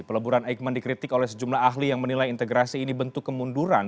peleburan eijkman dikritik oleh sejumlah ahli yang menilai integrasi ini bentuk kemunduran